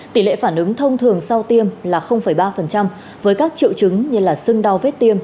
tỷ lệ phản ứng thông thường sau tiêm là ba với các triệu chứng như sưng đau vết viêm